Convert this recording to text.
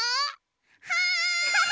はい！